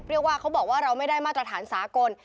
เขาบอกว่าเราไม่ได้มาตรฐานสากล